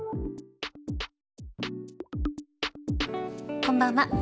こんばんは。